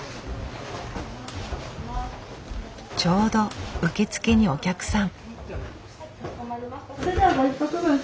ちょうど受付にお客さん。